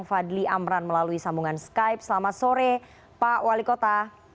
fadli amran melalui sambungan skype selamat sore pak wali kota